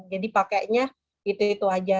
jadi pakainya itu itu saja